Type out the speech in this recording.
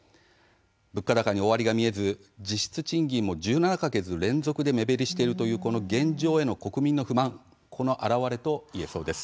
物価高に終わりが見えず実質賃金も１７か月連続で目減りしているという現状への国民の不満の表れだと思います。